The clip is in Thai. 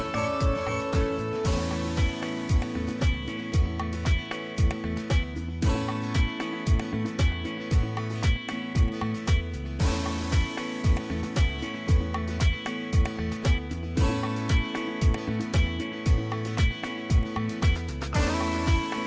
สวัสดีครับสวัสดีครับสวัสดีครับ